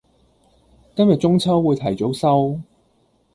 今日中秋會提早收